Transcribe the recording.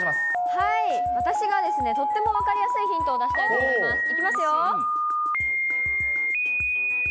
はい、私がですね、とっても分かりやすいヒントを出したいと思います。